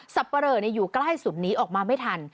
ปะเรออยู่ใกล้สุดนี้ออกมาไม่ทัน